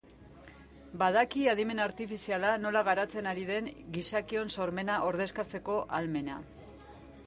Badaki adimen artifiziala nola garatzen ari den gizakion sormena ordezkatzeko ahalmena.